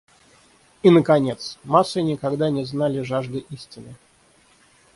И наконец: массы никогда не знали жажды истины.